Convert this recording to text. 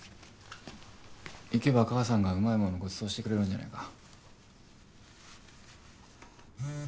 行けば母さんがうまいものご馳走してくれるんじゃないか？